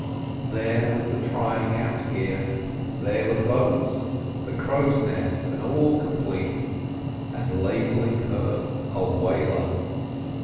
There was the trying out gear; there were the boats, the crow's nest, and all complete, and labelling her a whaler.